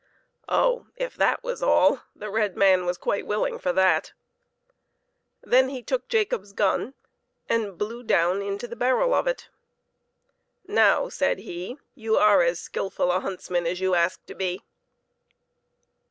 Oh, if that was all, the red man was quite willing for that. Then he took Jacob's gun, and blew down into the barrel of it. " Now," said he, " you are as skillful a huntsman as you asked to be."